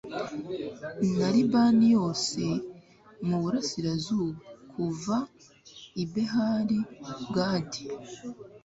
na libani yose mu burasirazuba, kuva i behali gadi